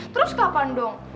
terus kapan dong